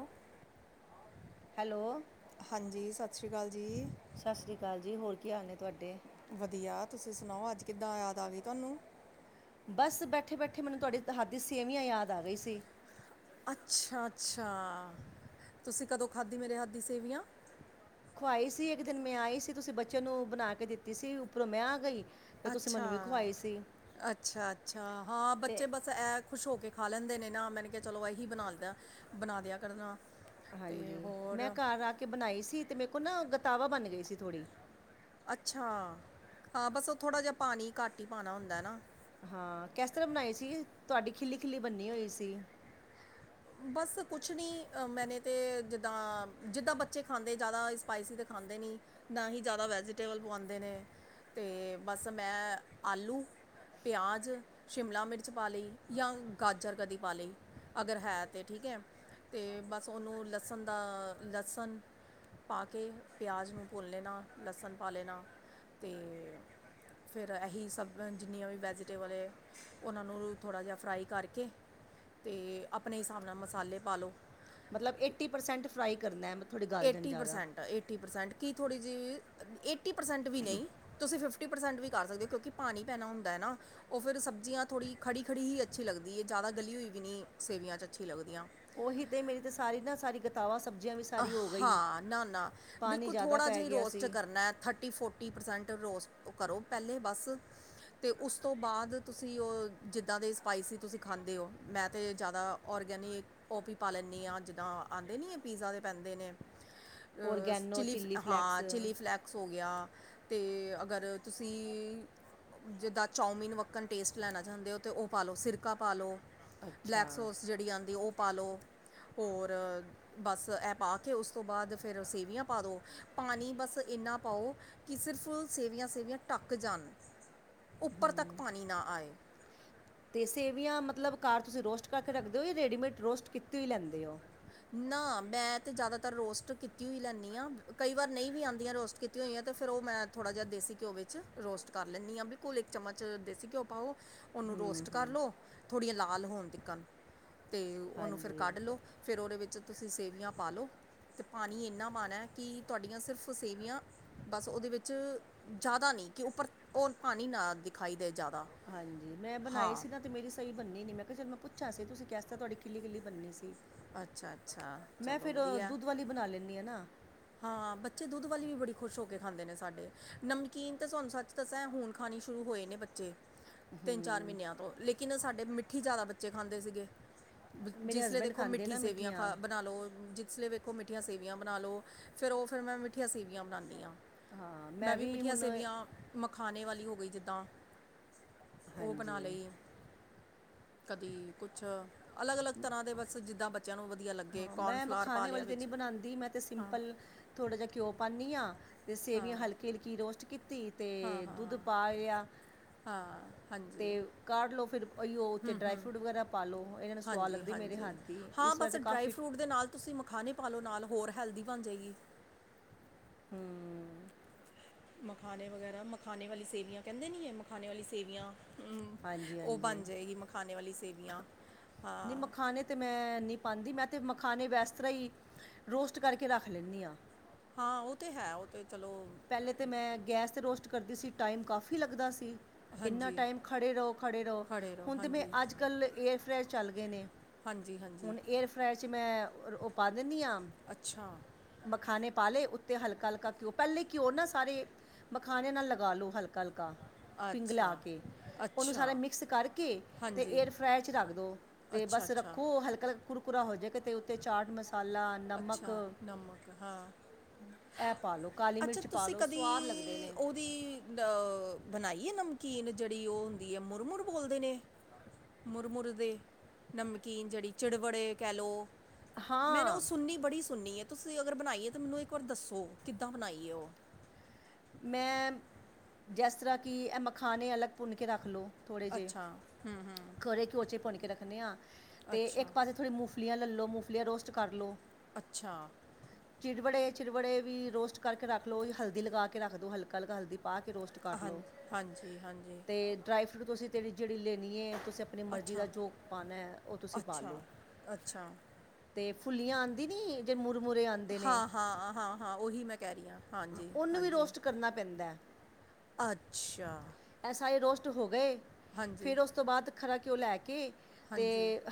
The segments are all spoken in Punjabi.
ਅਹ ਹੈਲੋ ਹਾਂਜੀ, ਸਤਿ ਸ਼੍ਰੀ ਅਕਾਲ ਜੀ। ਸਤਿ ਸ੍ਰੀ ਅਕਾਲ ਜੀ, ਹੋਰ ਕੀ ਹਾਲ ਨੇ ਤੁਆਡੇ? ਵਧੀਆ ਤੁਸੀਂ ਸੁਣਾਓ? ਅੱਜ ਕਿੱਦਾਂ ਯਾਦ ਆ ਗਈ ਤੁਹਾਨੂੰ? ਬਸ, ਬੈਠੇ-ਬੈਠੇ ਮੈਨੂੰ ਤੁਹਾਡੇ ਹੱਥ ਦੀ ਸੇਵੀਆਂ ਯਾਦ ਆ ਗਈ ਸੀ। ਅੱਛਾ, ਅੱਛਾ-ਅੱਛਾ ਤੁਸੀਂ ਕਦੋਂ ਖਾਧੀ ਮੇਰੇ ਹੱਥ ਦੀ ਸੇਵੀਆਂ? ਖਵਾਈ ਸੀ, ਇੱਕ ਦਿਨ ਮੈਂ ਆਈ ਸੀ ਬੱਚੇ ਨੂੰ ਬਣਾ ਕੇ ਦਿੱਤੀ ਸੀ, ਉੱਪਰੋ ਮੈਂ ਆ ਗਈ। ਫਿਰ ਤੁਸੀਂ ਅੱਛਾ, ਮੈਨੂੰ ਵੀ ਖਵਾਈ ਸੀ ਅੱਛਾ-ਅੱਛਾ ਹਾਂ ਬੱਚੇ ਤੇ ਬਸ ਐ ਖੁਸ਼ ਹੋ ਕੇ ਖਾ ਲੈਂਦੇ ਨੇ। ਨਾ ਮੰਨ ਕੇ ਚਲੋ ਇਹੀ ਬਣਾ ਲਈ ਦਾ ਬਣਾ ਦਿਆਂ ਕਰਨਾ। ਅਤੇ ਹਾਂਜੀ, ਹੋਰ ਮੈਂ ਘਰ ਆ ਕੇ ਬਣਾਈ ਸੀ, ਤੇ ਮੇਰੇ ਕੋਲ ਨਾ ਗਤਾਵਾ ਬਣ ਗਈ ਸੀ ਥੋੜੀ। ਅੱਛਾ, ਹਾਂ ਬਸ ਉਹ ਥੋੜ੍ਹਾ ਜਿਹਾ ਪਾਣੀ ਘੱਟ ਹੀ ਪਾਉਣਾ ਹੁੰਦਾ ਹੈ ਨਾ ਹਾਂ, ਕਿਸ ਤਰ੍ਹਾਂ ਬਣਾਈ ਸੀਗੇ? ਤੁਹਾਡੀ ਖਿੱਲੀ-ਖਿੱਲੀ ਬੰਨੀ ਹੋਈ ਸੀ। ਬਸ ਕੁਛ ਨਹੀਂ, ਮੈਨੇ ਤਾਂ ਜਿੱਦਾਂ-ਜਿੱਦਾਂ ਬੱਚੇ ਖਾਂਦੇ ਜ਼ਿਆਦਾ ਸਪਾਈਸੀ ਤਾਂ ਖਾਂਦੇ ਨੀਂ ਨਾ ਹੀ ਜ਼ਿਆਦਾ ਵੈਜੀਟੇਬਲ ਪਵਾਉਂਦੇ ਨੇ, ਤੇ ਬਸ ਮੈਂ ਆਲੂ ਪਿਆਜ਼, ਸ਼ਿਮਲਾ ਮਿਰਚ ਪਾ ਲਈ ਜਾਂ ਗਾਜਰ ਕਦੀ ਪਾ ਲਈ, ਅਗਰ ਹੈ ਤੇ ਠੀਕ ਹੈ, ਤੇ ਬਸ ਉਹਨੂੰ ਲਸਣ ਦਾ ਲਸਣ ਪਾਕੇ ਪਿਆਜ਼ ਨੂੰ ਭੁੰਨ ਲੈਣਾ, ਲਸਣ ਪਾ ਲੈਣਾ ਤੇ ਫੇਰ ਐਹੀ ਸਬ ਜਿੰਨੀਆਂ ਵੀ ਵੈਜੀਟੇਬਲ ਏ ਉਹਨਾਂ ਨੂੰ ਥੋੜ੍ਹਾ ਜਿਹਾ ਫਰਾਈ ਕਰਕੇ, ਤੇ ਆਪਣੇ ਹਿਸਾਬ ਨਾਲ ਮਸਾਲੇ ਪਾ ਲਉ। ਮਤਲਬ ਏਟੀ ਪਰਸੈਂਟ ਫਰਾਈ ਕਰਨਾ ਮਤਲ ਏਟੀ ਪ੍ਰਸੈਂਟ, ਏਟੀ ਪ੍ਰਸੈਂਟ ਕੀ ਥੋੜ੍ਹੀ ਜਿਹੀ ਏਟੀ ਪ੍ਰਸੈਂਟ ਵੀ ਨਹੀਂ ਤੁਸੀਂ ਫਿਫਟੀ ਫਿਫਟੀ ਪਰਸੈਂਟ ਵੀ ਕਰ ਸਕਦੇ ਹੋ, ਕਿਉਂਕਿ ਪਾਣੀ ਪੈਣਾ ਹੁੰਦਾ ਹੈ ਨਾ। ਉਹ ਫੇਰ ਸਬਜ਼ੀਆਂ ਥੋੜੀ ਖੜੀ-ਖੜੀ ਹੀ ਅੱਛੀ ਲੱਗਦੀ ਏ, ਜ਼ਿਆਦਾ ਗਲੀ ਹੋਈ ਵੀ ਨਹੀਂ ਸੇਵੀਆਂ ਚ ਅੱਛੀ ਲੱਗਦੀਆਂ। ਉਹੀ ਤੇ ਮੇਰੀ ਤੇ ਸਾਰੀ ਨਾ ਸਾਰੀ ਗ ਦਾਲਾਂ ਸਬਜ਼ੀਆਂ ਵਿੱਚ ਹਾਂ, ਨਾ-ਨਾ ਬਿਲਕੁਲ ਜ਼ਿਆਦਾ ਥੋੜ੍ਹਾ ਪੈ ਜਿਹਾ ਗਿਆ ਹੀ ਸੀ ਕਰਨਾ ਹੈ ਥੱਟ ਫਿਫਟੀ, ਫੋਰਟੀ ਪਰਸੈਂਟ ਰੋਜ ਕਰੋ ਪਹਿਲੇੇ ਬਸ। ਤੇ ਉਸ ਤੋਂ ਬਾਅਦ ਤੁਸੀਂ ਉਹ ਜਿੱਦਾਂ ਦੇ ਸਪਾਈਸੀ ਤੁਸੀਂ ਖਾਂਦੇ ਹੋ, ਮੈਂ ਤਾਂ ਜ਼ਿਆਦਾ ਔਰਗੈਨਿਕ ਉਹ ਵੀ ਪਾ ਲੈਨੀ ਹਾਂ ਜਿੱਦਾ ਆਦੇ ਨੀ ਪੀਜ਼ਾ ਦੇ ਪੈਂਦੇ ਨੇ, ਅ ਔਰਗੈਨੋ ਚਿੱਲੀ ਫਲੈਕਸ ਹਾਂ ਚਿੱਲੀ ਫਲੈਕਸ ਹੋ ਗਿਆ। ਤੇ ਅਗਰ ਤੁਸੀਂ ਜਿੱਦਾ ਚੌਮਿਨ ਵੱਕਣ ਟੇਸਟ ਲੈਣਾ ਚਾਹੁੰਦੇ ਹੋ, ਤੇ ਉਹ ਪਾ ਲਉ ਸਿਰਕਾ ਪਾ ਲਉ। ਅੱਛਾ ਬਲੈਕ ਸੌਸ ਜਿਹੜੀ ਆਉਂਦੀ ਉਹ ਪਾ ਲਓ, ਹੋਰ ਬਸ ਇਹ ਪਾ ਕੇ ਉਸ ਤੋਂ ਬਾਅਦ ਫਿਰ ਸੇਵੀਆਂ ਪਾ ਦਉ ਪਾਣੀ ਬਸ ਇੰਨਾ ਪਾਓ, ਕਿ ਸਿਰਫ਼ ਸੇਵੀਆਂ-ਸੇਵੀਆਂ ਢੱਕ ਜਾਣ। ਉੱਪਰ ਤੱਕ ਪਾਣੀ ਨਾ ਆਏ। ਤੇ ਸੇਵੀਆਂ ਮਤਲਬ ਘਰ ਤੁਸੀਂ ਰੋਸਟ ਕਰਕੇ ਰੱਖਦੇ ਹੋ, ਜਾਂ ਰੈਡੀਮੇਡ ਰੋਸਟ ਕੀਤੀ ਹੋਈ ਲੈਂਦੇ ਹੋ? ਨਾ ਮੈਂ ਤੇ ਜਿਆਦਾਤਰ ਰੋਸਟ ਕੀਤੀ ਹੋਈ ਲੈਂਨੀ ਆ, ਕਈ ਵਾਰ ਨਹੀਂ ਵੀ ਆਉਂਦੀਆਂ ਰੋਸਟ ਕੀਤੀਆਂ ਹੋਈਆਂ, ਤੇ ਫੇਰ ਉਹ ਮੈਂ ਥੋੜ੍ਹਾ ਜਾ ਦੇਸੀ ਘਿਓ ਵਿੱਚ ਰੋਸਟ ਕਰ ਲੈਂਨੀ ਆ ਬਿਲਕੁਲ ਇੱਕ ਚਮਚ ਦੇਸੀ ਘਿਓ ਪਾਓ ਉਹਨੂੰ ਰੋਸਟ ਕਰ ਲਓ, ਥੋੜ੍ਹੀਆਂ ਲਾਲ ਹੋਣ ਤਿਕਨ ਤੇ ਉਹਨੂੰ ਫਿਰ ਹਾਂਜੀ ਕੱਢ ਲਓ। ਫੇਰ, ਉਹਦੇ ਵਿੱਚ ਤੁਸੀਂ ਸੇਵੀਆਂ ਪਾ ਲਓ। ਤੇ ਪਾਣੀ ਇੰਨਾ ਪਾਣਾ ਕੀ ਤੁਹਾਡੀਆਂ ਸਿਰਫ਼ ਸੇਵੀਆਂ ਬਸ ਉਹਦੇ ਵਿੱਚ ਜ਼ਿਆਦਾ ਨੀ, ਕੀ ਓਪਰ ਹੋਰ ਪਾਣੀ ਦਿਖਾਈ ਨਾ ਦੇ ਜਿਆਦਾ। ਹਾਂਜੀ, ਮੈਂ ਬਣਾਈ ਸੀ ਨਾ ਤੇ ਮੇਰੀ ਸਹੀ ਬੰਨੀ ਨੀ, ਮੈਂ ਕਿਹਾ ਚਲ ਮੈਂ ਪੁੱਛ ਸੀ ਤੁਸੀਂ ਕਿਹਾ ਤੁਹਾਡੀ ਖਿੱਲੀ -ਖਿੱਲੀ ਬੰਨੀ ਸੀ ਅੱਛਾ ਅੱਛਾ [inaudible] ਮੈਂ ਚਲੋ ਫਿਰ ਵਧੀਆ ਦੁੱਧ ਵਾਲੀ ਬਣਾ ਲੈਂਦੀ ਆ ਨਾ। ਹਾਂ ਬੱਚੇ ਦੁੱਧ ਵਾਲੀ ਵੀ ਬੜੀ ਖੁਸ਼ ਹੋ ਕੇ ਖਾਂਦੇ ਨੇ ਸਾਡੇ, ਨਮਕੀਨ ਤਾਂ ਤੁਹਾਨੂੰ ਸੱਚ ਤਾਂ ਸ ਹੁਣ ਖਾਣੀ ਸ਼ੁਰੂ ਹੋਏ ਨੇ ਬੇ ਬੱਚੇ, ਤਿੰਨ ਚਾਰ ਮਹੀਨਿਆਂ ਲੇਕਿਨ ਸਾਡੇ ਮਿੱਠੀ ਜ਼ਿਆਦਾ ਖਾਂਦੇ ਸੀਗੇ। ਮੇਰੇ ਜਿਸ ਲੇ ਹਸਬੈਂਡ ਦੇਖੋ ਖਾਂਦੇ ਮਿੱਠੀ ਨਾ ਸੇਵੀਆਂ ਮਿੱਠੀਆਂ ਖਾ ਬਨਾ ਲਓ ਜਿਸ ਲੇ ਵੇਖੋ ਮਿੱਠੀਆਂ ਸੇਵੀਆਂ ਬਨਾ ਲਓ। ਫੇਰ ਉਹ ਫੇਰ ਮੈਂ ਮਿੱਠੀਆਂ ਸੇਵੀਆਂ ਬਣਾਨੀ ਹਾਂ ਮੈਂ ਵੀ ਮਿੱਠੀਆਂ ਸੇਵੀਆਂ ਮਖਾਨੇ ਵਾਲੀ ਹੋ ਗਈ ਜਿੱਦਾਂ ਉਹ ਹਾਂਜੀ ਬਨਾ ਲਈ। ਕਦੀ ਕੁਛ ਅਲੱਗ-ਅਲੱਗ ਤਰ੍ਹਾਂ ਦੇ ਬਸ ਜਿੱਦਾਂ ਬੱਚੇਆਂ ਨੂੰ ਵਧੀਆ ਲੱਗੇ ਹਾਂ ਮੈਂ ਕੋਨਫਲਾਰ ਪਾ ਮਖਾਣੇ ਲਿਆ ਵਿੱਚ ਹਾਂ ਥੋੜਾ ਜਿਹਾ ਘਿੳ ਪਾਨੀ ਆ ਤੇ ਸੇਵੀਆਂ ਹਲਕੀ ਹਲਕੀ ਰੋਸਟ ਕੀਤੀ। ਤੇ ਹਾਂ ਦੁੱਧ ਹਾਂ ਪਾਇਆ। ਹਾਂ ਹਾਂਜੀ ਲਓ ਫਿਰ ਉਹੀਓ ਉੱਤੇ ਹੁ ਡਰਾਈ ਹੁ ਫਰੂਟ ਵਗੈਰਾ ਪਾ ਲਓ ਇਹਨਾਂ ਨੂੰ ਸਵਾਦ ਹਾਂਜੀ ਲੱਗਦੀ ਮੇਰੇ ਹਾਂਜੀ। ਹੱਥ ਦੀ ਹਾਂ ਇਸ ਵਾਰ ਬਸ ਤਾਂ ਡਰਾਈ ਕਾਫੀ ਫਰੂਟ ਦੇ ਨਾਲ ਤੁਸੀਂ ਮਖਾਨੇ ਪਾ ਲਓ ਨਾਲ ਹੋਰ ਹੈਲਦੀ ਬਨ ਜਾਏਗੀ ਹੁ ਮਖਾਨੇ ਵਗੈਰਾ ਮਖਾਨੇ ਵਾਲੀ ਸੇਵੀਆਂ ਕਹਿੰਦੇ ਨੀ ਏ ਮਖਾਨੇ ਵਾਲੀ ਸੇਵੀਆਂ ਹੁ ਹਾਂਜੀ ਉਹ ਹਾਂਜੀ ਬਨ ਜਾਏਗੀ ਮਖਾਨੇ ਵਾਲੀ ਸੇਵੀਆਂ ਹਾਂ। ਤੇ ਮੈਂ ਨੀ ਪਾਂਦੀ ਮੈਂ ਤੇ ਮਖਾਨੇ ਵੇਸ ਤਰ੍ਹਾਂ ਹੀ ਰੋਸਟ ਕਰਕੇ ਰੱਖ ਲੈਂਨੀ ਆ। ਹਾਂ ਉਹ ਤੇ ਹੈ ਉਹ ਤੇ ਚਲੋ ਪਹਿਲੇ ਤੇ ਮੈਂ ਗੈਸ 'ਤੇ ਰੋਸਟ ਕਰਦੀ ਸੀ ਟਾਈਮ ਕਾਫੀ ਲੱਗਦਾ ਸੀ। ਇੰਨਾ ਹਾਂਜੀ ਟਾਈਮ ਖੜ੍ਹੇ ਰਹੋ ਖੜ੍ਹੇ ਰਹੋ ਖੜੇ ਹੁਨ ਤਿਵੇਂ ਹਾਂਜੀ ਅੱਜ ਕੱਲ੍ਹ ਏਅਰ ਫਰਾਏਅਰ ਚੱਲ ਗਏ ਨੇ। ਹਾਂਜੀ ਹਾਂਜੀ ਹੁਨ ਏਅਰ ਫਰਾਏਅਰ ਚ ਮੈਂ ਉਹ ਪਾਹ ਦੇਨੀ ਆ ਅੱਛਾ ਮਖਾਨੇ ਪਾ ਲੇ ਉੱਤੇ ਹਲਕਾ ਹਲਕਾ ਘਿੳ ਪਹਿਲੇ ਘਿਉ ਨਾ ਸਾਰੇ ਮਖਾਨੇ ਨਾਲ ਲਗਾ ਲਓ ਹਲਕਾ ਹਲਕਾ ਪਿੰਗਲਾ ਅੱਛਾ ਕੇ। ਉਹਨੂੰ ਅੱਛਾ ਸਾਰਾ ਮਿਕਸ ਕਰਕੇ ਤੇ ਹਾਂਜੀ ਏਅਰ ਫਰਾਏਅਰ 'ਚ ਰੱਖ ਦੋ ਤੇ ਅੱਛਾ ਬਸ ਅੱਛਾ ਰੱਖੋ ਹਲਕਾ ਲ ਕੁਰਕੁਰਾ ਹੋ ਜੇ ਤੇ ਉੱਤੇ ਚਾਟ ਮਸਾਲਾ ਨਮਕ ਅੱਛਾ ਨਮਕ ਹਾਂ ਇਹ ਪਾ ਲੋ। ਕਾਲੀ ਮਿਰਚ ਪਾ ਲੋ ਸੁਆਦ ਲੱਗਦੇ ਨੇ। ਦੀ ਅ ਬਨਾਈ ਏ ਨਮਕੀਨ ਜੇਹੜੀ ਉਹ ਹੁੰਦੀ ਹੈ ਮੁਰਮੁਰ ਬੋਲਦੇ ਨੇ। ਮੁਰਮੁਰ ਦੇ ਨਮਕੀਨ ਜਿਹੜੀ ਚਿੜਵੜੇ ਕਿਹ ਲੋ। ਮੈਂਨ ਉਹ ਹਾਂ ਸੁਨੀ ਬੜੀ ਸੁਨੀ ਏ ਤੁਸੀਂ ਅਗਰ ਬਨਾਈ ਏ ਤੇ ਮੈਨੂੰ ਇੱਕ ਵਾਰ ਦੱਸੋ ਕਿੱਦਾਂ ਬਨਾਈ ਏ ੳਹ। ਮੈਂ ਜੇਸ ਤਰ੍ਹਾਂ ਕਿ ਇਹ ਮਖਾਨੇ ਅਲੱਗ ਭੁੰਨ ਕੇ ਰੱਖ ਲਉ। ਥੋੜੇ ਜਿਹੇ ਅੱਛਾ ਹਮ, ਖਰੇ ਘਿਉਚੇ ਭੁੰਨ ਕੇ ਰੱਖਨੇ ਹਾਂ ਤੇ ਏਕ ਅੱਛਾ ਪਾਸੇ ਥੋੜੀ ਮੁਫ ਮੂਫਲੀਆਂ ਲੈ ਲਉ ਮੂਫਲੀਆਂ ਰੋਸਟ ਲਉ। ਅੱਛਾ। ਚਿੜਵੜੇ ਚਿੜਵੜੇ ਵੀ ਰੋਸਟ ਕਰਕੇ ਰੱਖ ਲਓ ਹਲਦੀ ਲਗਾ ਕੇ ਰੱਖ ਦੋ ਹਲਕਾ ਹਲਕਾ ਹਲਦੀ ਪਾ ਕੇ ਰੋਸਟ ਕਰ ਹਾਂ ਲੋ ਹਾਂਜੀ ਹਾਂਜੀ ਤੇ ਡਰਾਈ ਫਰੂਟ ਤੁਸੀਂ ਤੇਹੜੀ ਜਿਹੜੀ ਲੈਨੀ ਏ ਤੁਸੀਂ ਅਪਨੀ ਮਰਜ਼ੀ ਦਾ ਅੱਛਾ ਜੋ ਪਾਨਾ ਉਹ ਤੁਸੀਂ ਪਾ ਲਓ। ਅੱਛਾ ਅੱਛਾ ਤੇ ਫੁੱਲੀਆਂ ਆਂਦੀ ਨੀ ਜੇ ਮੁਰਮੁਰੇ ਆਂਦੇ ਨੇ ਹਾਂ ਹਾਂ ਹਾਂ ਹਾਂ ਉਹੀ ਮੈਂ ਕਹਿ ਰਹੀ ਹਾਂ ਹਾਂਜੀ ਉਹਨੂੰ ਵੀ ਹਾਂਜੀ ਰੋਸਟ ਕਰਨਾ ਪੈਂਦਾ। ਅੱਛਾ। ਇਹ ਸਾਰੇ ਰੋਸਟ ਹੋ ਗਏ ਹਾਂਜੀ ਫਿਰ ਉਸ ਤੋਂ ਬਾਅਦ ਖਰਾ ਘਿਓਂ ਲੈ ਕੇ ਤੇ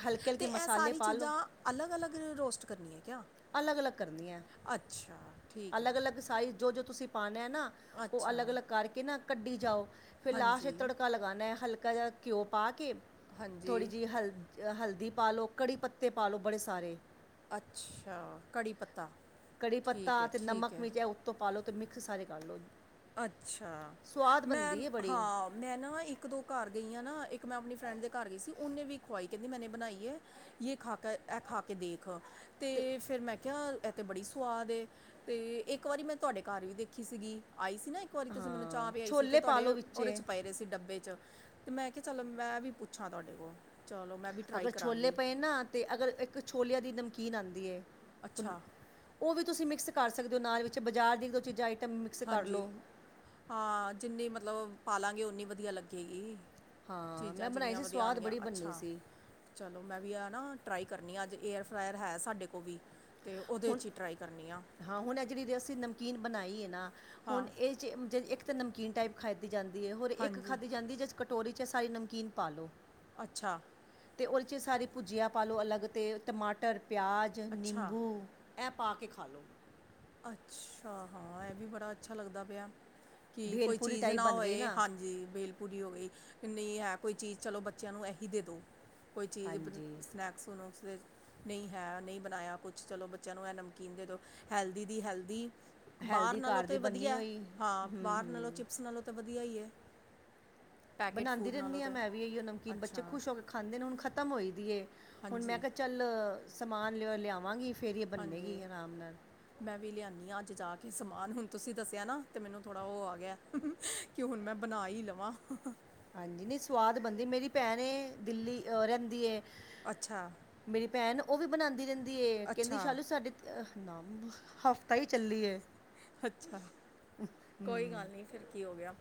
ਹਲਕੇ ਹਲਕੇ ਮਸਾਲੇ ਪਾ ਲਓ। ਅਲੱਗ ਅਲਗ ਰੋਸਟ ਕਰਨੀ ਐ ਕਿਆ ਅਲੱਗ ਅਲੱਗ ਕਰਨੀ ਐ ਅੱਛਾ ਠੀਕ ਹੈ ਅਲੱਗ ਅਲੱਗ ਸਾਈਜ਼ ਜੋ ਜੋ ਤੁਸੀਂ ਪਾਨਾ ਐ ਨਾ ਉਹ ਅੱਛਾ ਅਲੱਗ ਅਲੱਗ ਕਰਕੇ ਨਾ ਕੱਢੀ ਜਾਓ। ਫਿਰ ਲਾਸਟ ਇਚ ਹਾਂਜੀ ਤੜਕਾ ਲਗਾਨਾ ਹਲਕਾ ਜਿਹਾ ਘਿਉ ਪਾ ਕੇ ਹਾਂਜੀ ਥੋੜ੍ਹੀ ਜਿਹੀ ਹਲ ਅ ਹਲਦੀ ਪਾ ਲੋ, ਕੜੀ ਪੱਤੇ ਪਾ ਲੋ ਬੜੇ ਸਾਰੇ। ਅੱਛਾ! ਕੜੀ ਪੱਤਾ। ਕੜੀ ਠੀਕ ਪੱਤਾ ਹੈ ਤੇ ਠੀਕ ਨਮਕ ਹੈ ਮਿਰਚ ਐ ਉੱਤੋਂ ਪਾ ਲਉ ਤੇ ਮਿਕਸ ਸਾਰੇ ਕਰ ਲੋ। ਅੱਛਾ, ਮੈਂ ਹਾਂ ਮੈਂ ਨਾ ਇੱਕ ਦੋ ਘਰ ਗਈ ਆਂ ਨਾ ਇੱਕ ਮੈਂ ਅਪਨੀ ਫਰੈਂਡ ਦੇ ਘਰ ਗਈ ਸੀ ਓਨੇ ਵੀ ਖਵਾਈ ਕੈਂਦੀ ਮੈਨੇ ਬਣਾਈ ਐ। ਯੇ ਖਾ ਕੇ ਐ ਖਾ ਕੇ ਦੇਖ ਅਤੇ ਤੇ ਫਿਰ ਮੈਂ ਕੇਆ ਐ ਤੇ ਬੜੀ ਸਵਾਦ ਏ ਤੇ ਇੱਕ ਵਾਰੀ ਮੈਂ ਤੁਆਡੇ ਘਰ ਵੀ ਦੇਖੀ ਸੀਗੀ ਆਈ ਸੀ ਨਾ ਇੱਕ ਵਾਰੀ ਤੁਸੀਂ ਮੈਨੂੰ ਹਾਂ ਚਾਹ ਪਿਆਈ ਸੀ ਤੇ ਛੋਲੇ ਪਾ ਲਓ ਤੁਆਡੇ ਵਿੱਚ ਓਦੇ 'ਚ ਪਏ ਦੇ ਸੀ ਡੱਬੇ 'ਚ। ਤੇ ਮੈਂ ਕੇਆ ਚੱਲੋ ਮੈਂ ਵੀ ਪੁੱਛਾਂ ਤੁਆਡੇ ਕੋਲ ਚੱਲੋ ਮੈਂ ਵੀ ਟਰਾਈ ਕਰਾਂਗੀ। ਤੇ ਅਗਰ ਇੱਕ ਛੋਲਿਆਂ ਦੀ ਨਮਕੀਨ ਆਂਦੀ ਏ ਹੁਨ ਅੱਛਾ ਓ ਵੀ ਤੁਸੀਂ ਮਿਕਸ ਕਰ ਸਕਦੇ ਓ ਨਾਲ ਵਿੱਚ ਬਜ਼ਾਰ ਦੀਆਂ ਇੱਕ-ਦੋ ਚੀਜ਼ ਆਈਟਮ ਮਿਕਸ ਕਰ ਹਾਂਜੀ, ਲਓ ਹਾਂ ਜਿੰਨੀ ਮਤਲਬ ਪਾਲਾਂਗੇ ਓਨੀ ਵਦੀਆ ਲੱਗੇਗੀ। ਹਾਂ ਚੀਜ਼ਾਂ ਮੈਂ ਬਣਾਈ ਜਿੰਨੀਆਂ ਸੀ ਵਦੀਆ ਸਵਾਦ ਆਨਗੀਆਂ, ਬੜੀ ਬੰਨੀ ਅੱਛਾ। ਸੀ ਚੱਲੋ ਮੈਂ ਵੀ ਆ ਨਾ ਟਰਾਈ ਕਰਨੀ ਆ ਅੱਜ ਏਅਰ ਫਰਾਏਅਰ ਹੈ ਸਾਡੇ ਕੋਲ ਵੀ ਤੇ ਓਦੇ ਹੁਣ 'ਚ ਈ ਟਰਾਈ ਕਰਨੀ ਆਂ। ਹਾਂ ਹੁਨ ਐ ਜੇੜੀ ਅਸੀਂ ਨਮਕੀਨ ਬਨਾਈ ਏ ਨਾ ਹਾਂ ਹੁਨ ਏਹ 'ਚੇ ਜੇ ਇੱਕ ਤਾਂ ਨਮਕੀਨ ਟਾਈਪ ਖਾਦੀ ਜਾਂਦੀ ਏ ਹੋਰ ਇੱਕ ਹਾਂਜੀ ਖਾਧੀ ਜਾਂਦੀ ਏ ਜਿਸ 'ਚ ਕਟੋਰੀ 'ਚ ਐ ਸਾਰੀ ਨਮਕੀਨ ਪਾ ਲੋੋ। ਅੱਛਾ। ਤੇ ਓਦੇ 'ਚ ਸਾਰੀ ਭੁਜੀਆ ਪਾ ਲੋ ਅਲੱਗ ਤੇ ਟਮਾਟਰ, ਪਿਆਜ਼, ਅੱਛਾ ਨਿੰਬੂ ਐਂ ਪਾ ਕੇ ਖਾ ਲੋ। ਅੱਛਾ! ਹਾਂ ਐ ਵੀ ਬੜਾ ਅੱਛਾ ਲੱਗਦਾ ਪਯਾ। ਕੀ ਕੋਈ ਭੇਲਪੂਰੀ ਚੀਜ਼ ਟਾਈਪ ਨਾ ਬਣ ਗਈ ਹੋਏ ਹਾਂਜੀ ਬਿਲ ਪੂਰੀ ਹੋ ਗੀ ਵੀ ਨੀ ਹੈ ਕੋਈ ਚੀਜ਼ ਚੱਲੋ ਬੱਚੇਆਂ ਨੂੰ ਐ ਹੀ ਦੇ ਦੋ। ਕੋਈ ਚੀਜ਼ ਬ ਹਾਂਜੀ ਸਨੈਕਸ-ਸੁਨੈਕਸ 'ਚ। ਨਈ ਹੈ ਨਈ ਬਨਾਯਾ ਕੁਛ ਚੱਲੋ ਬੱਚੇਆਂ ਨੂੰ ਐ ਨਮਕੀਨ ਦੇ ਦੋ ਹੈਲਦੀ ਦੀ ਹੈਲਦੀ ਬਾਰ ਹੈਲਦੀ ਨਾਲੋਂ ਘਰ ਤੇ ਦੀ ਬੰਨੀ ਵਧੀਆ, ਹੋਈ ਹਾਂ ਹੂੰ ਬਾਰ ਨਾਲੋਂ ਹੂੰ ਚਿਪਸ ਨਾਲੋਂ ਤਾਂ ਵਧੀਆ ਈ ਐ। ਬਨਾਂਦੀ ਰੈਂਦੀ ਆ ਮੈਂ ਵੀ ਅਇਓ ਨਮਕੀਨ ਅੱਛਾ ਬੱਚੇ ਖੁਸ਼ ਹੋ ਕੇ ਖਾਂਦੇ ਨੇ ਹੁਨ ਖ਼ਤਮ ਹੋਈ ਦੀ ਏ, ਹੁਨ ਮੈਂ ਹਾਂਜੀ ਕੇਆ ਚੱਲ ਸਮਾਨ ਲਿਆ ਲਿਆਵਾਂਗੀ। ਫੇਰ ਈ ਏ ਹਾਂਜੀ ਬਨੇਗੀ ਆਰਾਮ ਨਾਲ। ਮੈਂ ਵੀ ਲਿਆਨੀ ਆ ਅੱਜ ਜਾ ਕੇ ਸਮਾਨ ਹੁਨ ਤੁਸੀਂ ਦੱਸਿਆ ਨਾ ਤੇ ਮੈਨੂੰ ਥੋੜ੍ਹਾ ਓ ਆ ਗਿਆ। ਕਿਉਂ ਹੁਣ ਮੈਂ ਬਨਾ ਈ ਲਵਾਂ। ਹਾਂਜੀ ਨਈ ਸਵਾਦ ਬਨਦੀ ਏ ਮੇਰੀ ਭੈਣ ਏ ਦਿੱਲੀ ਰੈਂਦੀ ਏ। ਅੱਛਾ ਮੇਰੀ ਭੈਣ ਓ ਵੀ ਬਨਾਂਦੀ ਰੈਂਦੀ ਏ ਕੈਂਦੀ ਅੱਛਾ ਸ਼ਾਲੂ ਸਾਡੇ ਹਫ਼ਤਾ ਈ ਚੱਲੀ ਏ। ਅੱਛਾ। ਕੋਈ ਗੱਲ ਨੀ ਫਿਰ ਕੀ ਹੋ ਗਯਾ,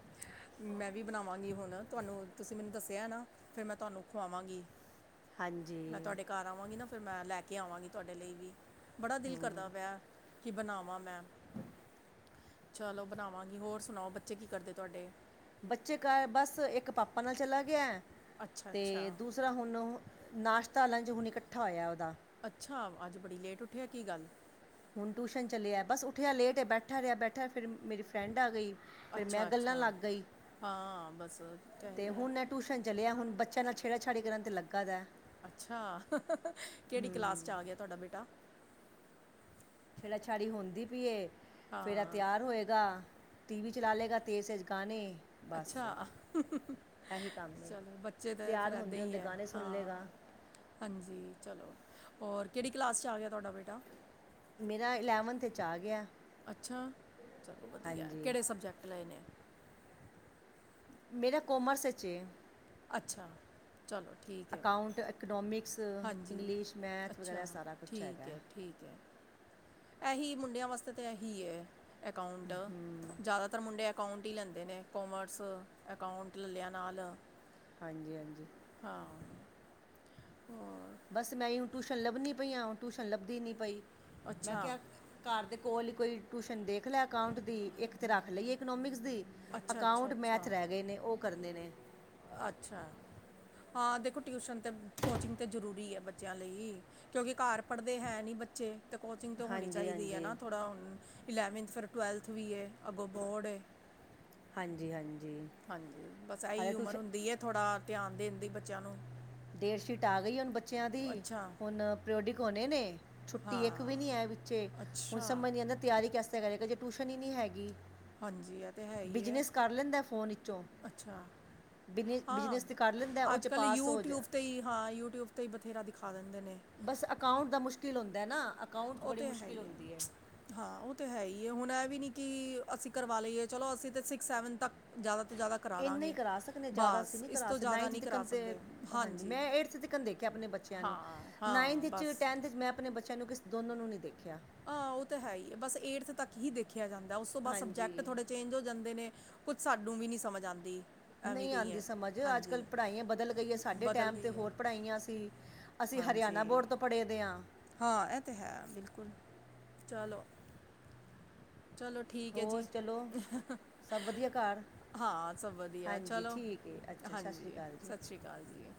ਮੈਂ ਵੀ ਬਨਾਵਾਂਗੀ ਹੁਣ ਤੁਆਨੂੰ ਤੁਸੀਂ ਮੈਨੂੰ ਦੱਸਿਆ ਐ ਨਾ। ਫਿਰ ਮੈਂ ਤੁਆਨੂੰ ਖਵਾਵਾਂਗੀ। ਮੈਂ ਹਾਂਜੀ ਤੁਆਡੇ ਘਰ ਆਵਾਂਗੀ ਨਾ ਫਿਰ ਮੈਂ ਲੈ ਕੇ ਆਵਾਂਗੀ ਤੁਆਡੇ ਲਈ ਵੀ। ਬੜਾ ਦਿਲ ਕਰਦਾ ਪਯਾ ਕੀ ਬਨਾਵਾਂ ਮੈਂ। ਚੱਲੋ ਬਨਾਵਾਂਗੀ ਹੋਰ ਸੁਨਾਓ ਬੱਚੇ ਕੀ ਕਰਦੇ ਤੁਆਡੇ? ਬੱਚੇ ਘਰ ਬਸ ਇੱਕ ਪਾਪਾ ਨਾਲ ਚਲਾ ਗਯਾ ਅੱਛਾ ਤੇ ਅੱਛਾ ਦੂਸ ਸਰਾ ਹੁਨ ਨਾਸ਼ਤਾ, ਲੰਚ ਹੁਨ ਇਕੱਠਾ ਹੋਇਆ ਓਦਾ। ਅੱਛਾ! ਅੱਜ ਬੜੀ ਲੇਟ ਉਠੇਆ ਕੀ ਗੱਲ ਹੁਨ ਟਿਊਸ਼ਨ ਚੱਲੇਆ ਬਸ ਉੱਠੇਆ ਲੇਟ ਏ ਬੈਠਾ ਰਯਾ, ਬੈਠਾ ਫਿਰ ਮੇਰੀ ਫਰੈਂਡ ਆ ਗਈ। ਫਿਰ ਮੈਂ ਗੱਲਾਂ ਅੱਛਾ-ਅੱਛਾ, ਲੱਗ ਗਈ ਹਾਂ ਬਸ ਓ ਤਾਂ ਹੈ ਤੇ ਈ ਐ। ਹੁਣ ਇਹ ਟਿਊਸ਼ਨ ਚਲਿਆ ਹੁਣ ਬੱਚਿਆਂ ਨਾਲ ਛੇੜਾ ਛਾੜੀ ਕਰਨ ਤੇ ਲੱਗਾ ਦਾ ਅੱਛਾ, ਕਿਹੜੀ ਕਲਾਸ 'ਚ ਆ ਗਿਆ ਤੁਹਾਡਾ ਬੇਟਾ। ਛੇੜਾ -ਛਾੜੀ ਹੁੰਦੀ ਪਈਏ, ਫਿਰ ਅ ਹਾਂ ਤਿਆਰ ਹੋਏਗਾ ਟੀ ਵੀ ਚਲਾ ਲਏਗਾ ਤੇਜ਼- ਤੇਜ਼ ਗਾਣੇ। ਬਸ ਅੱਛਾ ਇਹੀ ਕੰਮ ਨੇ ਚਲੋ ਬੱਚੇ ਤਾਂ ਫਿਰ ਤਿਆਰ ਐਦਾਂ ਹੁੰਦੇ- ਹੀ ਹੁੰਦੇ ਹੈ ਗਾਣੇ ਸੁਣ ਹਾਂ ਲਏਗਾ। [inaudible] ਹਾਂਜੀ ਚਲੋ, ਹੋਰ ਕਿਹੜੀ ਕਲਾਸ 'ਚ ਆ ਗਿਆ ਤੁਹਾਡਾ ਬੇਟਾ। ਮੇਰਾ ਇਲੈਵਨਥ ' ਏਚ ਆ ਗਿਆ। ਅੱਛਾ ਚਲੋ, ਵਧੀਆ ਹਾਂਜੀ ਕਿਹੜੇ ਸਬਜੈਕਟ ਲਏ ਨੇ। ਮੇਰਾ ਕੋਮਰਸ ਵਿਚ ਏ। ਅੱਛਾ। ਚਲੋ ਠੀਕ ਹੈ, ਅਕਾਊਂਟ ਇਕਨੋਮਿਕਸ ਹਾਂਜੀ ਇੰਗਲਿਸ਼ ਮੈਥ ਵਗੈਰਾ ਅੱਛਾ ਸਾਰਾ ਕੁਝ ਠੀਕ ਹੈਗਾ ਐ, ਠੀਕ ਐ। ਇਹੀ ਮੁੰਡਿਆਂ ਵਾਸਤੇ ਤਾਂ ਇਹੀ ਏ ਅਕਾਊਂਟ ਜ਼ਿਆਦਾ। ਜਿਆਦਾਤਰ ਮੁੰਡੇ ਅਕਾਊਂਟ ਹੀ ਲੈਂਦੇ ਨੇ ਕੋਮਰਸ ਅਕਾਊਂਟ ਲੈ ਲਿਆਂ ਨਾਲ। ਹਾਂਜੀ- ਹਾਂਜੀ। ਹਾਂ। ਹੋਰ ਬਸ ਮੈਂ ਉਇ ਟਿਊਸ਼ਨ ਲੱਭਣੀ ਪਈ ਆਂ ਟਿਊਸ਼ਨ ਲੱਭਦੀ ਨਹੀਂ ਪਈ, ਮੈਂ ਅੱਛਾ ਕਿਹਾ ਘਰ ਦੇ ਕੋਲ ਹੀ ਕੋਈ ਟਿਊਸ਼ਨ ਦੇਖ ਲੈ ਅਕਾਊਂਟ ਦੀ ਇੱਕ ਤਾਂ ਰੱਖ ਲਈਏ ਇਕਨੋਮਿਕਸ ਦੀ। ਅੱਛਾ ਅੱਛਾ ਅਕਾਊਂਟ, ਅੱਛਾ ਮੈਥ ਰਹਿ ਗਏ ਨੇ ਉਹ ਕਰਨੇ ਨੇ। ਅੱਛਾ ਹਾਂ ਦੇਖੋ ਟਿਊਸ਼ਨ ਤੇ ' ਕੋਚਿੰਗ ਤੇ ਜ਼ਰੂਰੀ ਹੈ ਬੱਚਿਆਂ ਲਈ। ਕਿਉਂਕਿ ਘਰ ਪੜ੍ਹਦੇ ਹੈ ਨਹੀਂ ਬੱਚੇ। ਤੇ ਕੋਚਿੰਗ ਤਾਂ ਹੋਣੀ ਹਾਂਜੀ ਚਾਹੀਦੀ ਹੈ, ਹਾਂਜੀ ਨਾ ਥੋੜ੍ਹਾ ਹੁਣ ਇਲੈਵਨਥ ਫਿਰ ਟੁਵੈਲਥ ਵੀ ਏ ਅੱਗੋਂ ਬੋਰਡ ਏ। ਹਾਂਜੀ -ਹਾਂਜੀ। ਹਾਂਜੀ ਬਸ ਐਹੀ ਹਾਲੇ ਉਮਰ ਟਿਊਸ਼ਨ ਹੁੰਦੀ ਐ ਥੋੜਾ ਧਿਆਨ ਦੇਣ ਦੀ ਬੱਚਿਆਂ ਨੂੰ। ਡੇਟ ਸ਼ੀਟ ਆ ਗਈ ਹੁਣ ਬੱਚਿਆਂ ਦੀ ਅੱਛਾ ਹੁਣ ਪ੍ਰਿਓਡਿਕ ਹੋਣੇ ਨੇ‌ ਛੁੱਟੀ ਇੱਕ ਵੀ ਹਾਂ ਨੀ ਐ ਵਿੱਚੇ ਹੁਣ ਅੱਛਾ ਸਮਝ ਨੀ ਆਂਦਾ ਤਿਆਰੀ ਕੈਸੇ ਕਰੇਗਾ ਜੇ ਟਿਊਸ਼ਨ ਹੀ ਨਹੀਂ ਹੈਗੀ, ਹਾਂਜੀ ਇਹ ਤੇ ਹੈ ਹੀ ਹੈ ਬਿਜਨਸ ਕਰ ਲੈਂਦਾ ਫੋਨ ਵਿੱਚੋਂ। ਅੱਛਾ ਬਿਜਨ- ਹਾਂ ਬਿਜਨਸ ਤੇ ਕਰ ਲੈਂਦਾ, ਉਹ ਅੱਜ ਚ ਕੱਲ ਪਾਸ ਹੋ ਜਾ ਤੇ ਈ ਹਾਂ ਯੂਟਿਊਬ 'ਤੇ ਹੀ ਬਥੇਰਾ ਦਿਖਾ ਦਿੰਦੇ ਨੇ। ਬਸ ਅਕਾਊਂਟ ਦਾ ਮੁਸ਼ਕਿਲ ਹੁੰਦਾ ਐ ਨਾ ਅਕਾਊਂਟ 'ਚ ਉਹ ਬੜੀ ਤੇ ਹੈ ਮੁਸ਼ਕਿਲ ਹੀ ਹੈ ਹੁੰਦੀ ਐ। ਹਾਂ ਉਹ ਤਾਂ ਹੈ ਹੀ ਐ, ਹੁਣ ਇਹ ਵੀ ਨਹੀਂ ਕਿ ਅਸੀਂ ਕਰਵਾ ਲਈਏ ਚਲੋ, ਅਸੀਂ ਤਾਂ ਸਿਕਸ ਸੈਵਨ ਤੱਕ। ਜ਼ਿਆਦਾ ਤੋਂ ਜ਼ਿਆਦਾ। ਕਰਾ ਇੰਨਾ ਹੀ ਦਾਂਗੇ ਕਰਾ ਸਕਦੇ ਜ਼ਿਆਦਾ ਬਸ ਅਸੀਂ ਨਈ ਇਸ ਕਰਾ ਤੋਂ ਸਕਨੇ ਜ਼ਿਆਦਾ ਨਾਈਥ ਨਹੀਂ ਕਰਾ ਤੀਕਨ ਤੇ ਸਕਦੇ ਹਾਂਜੀ ਮੈਂ ਏਡਥ ਤੀਕਨ ਦੇਖਿਆ ਆਪਣੇ ਬੱਚਿਆਂ ਨੂੰ ਹਾਂ ਬੱਚਿਆ ਨੂੰ ਹਾਂ ਨਾਈਨਥ ਚ ਬਸ ਟੈਨਥ ਮੈਂ ਆਪਣੇ ਬੱਚਿਆਂ ਨੂੰ ਕਿਸ ਦੋਨੋ ਨੂੰ ਨੀ ਦੇਖਿਆ। ਆ ਉਹ ਤਾਂ ਹੈ ਹੀ ਐ ਬਸ ਏਡਥ ਤੱਕ ਹੀ ਦੇਖਿਆ ਜਾਂਦਾ ਉਸ ਤੋਂ ਬਾਅਦ ਸਬਜੈਕਟ ਹਾਂਜੀ ਥੋੜੇ ਚੇਂਜ ਹੋ ਜਾਂਦੇ ਨੇ ਕੁੱਝ ਸਾਨੂੰ ਵੀ ਨਹੀਂ ਸਮਝ ਆਂਦੀ ਨਹੀਂ ਆਂਦੀ ਸਮਝ ਅੱਜ ਕੱਲ ਪੜ੍ਹਾਈਆਂ ਬਦਲ ਗਈ ਹੈ, ਸਾਡੇ ਬਦਲ ਟਾਈਮ ਤੇ ਗਈ ਹੈ ਹੋਰ ਪੜ੍ਹਾਈਆਂ ਸੀ। ਅਸੀਂ ਹਾਂਜੀ ਹਰਿਆਣਾ ਬੋਰਡ ਤੋਂ ਪੜ੍ਹੇ ਦੇ ਹਾਂ। ਹਾਂ ਇਹ ਤਾਂ ਹੈ ਬਿਲਕੁਲ ਚਲੋ। ਚਲੋ ਠੀਕ ਹੈ ਹੋਰ ਜੀ। ਚਲੋ ਸਭ ਵਧੀਆ ਘਰ ਹਾਂ ਸਭ ਵਧੀਆ ਹਾਂਜੀ ਚਲੋ ਠੀਕ ਹੈ ਅੱਛਾ ਸਤਿ ਸ਼੍ਰੀ ਹਾਂਜੀ ਅਕਾਲ ਜੀ ਸਤਿ ਸ਼੍ਰੀ ਅਕਾਲ ਜੀ।